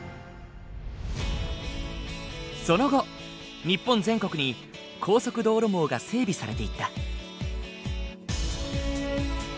その後日本全国に高速道路網が整備されていった。